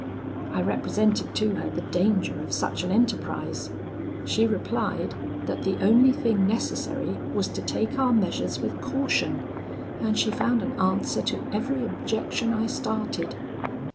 I represented to her the danger of such an enterprise; she replied, that the only thing necessary was to take our measures with caution, and she found an answer to every objection I started.